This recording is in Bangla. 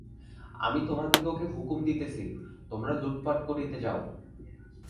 আমি তোমাদিগকে হুকুম দিতেছি তোমরা লুঠপাট করিতে যাও।